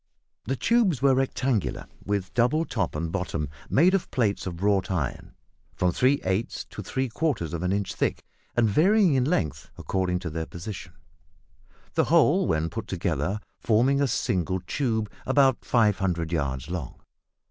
The tubes were rectangular, with double top and bottom made of plates of wrought iron, from three eighths to three quarters of an inch thick, and varying in length according to their position the whole when put together forming a single tube about 500 yards long.